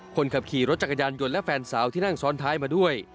คนขับขี่รถจักรยานยนต์และแฟนสาวที่นั่งซ้อนท้ายมาด้วย